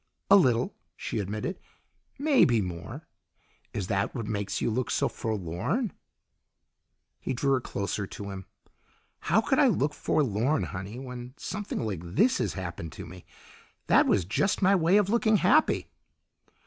"A little," she admitted. "Maybe more. Is that what makes you look so forlorn?" He drew her closer to him. "How could I look forlorn, Honey, when something like this has happened to me? That was just my way of looking happy."